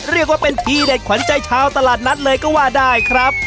เรียกว่าเป็นทีเด็ดขวัญใจชาวตลาดนัดเลยก็ว่าได้ครับ